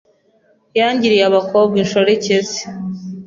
yangiriye abakobwa inshoreke ze”